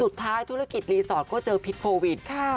สุดท้ายธุรกิจรีสอร์ทก็เจอพิษโควิดค่ะ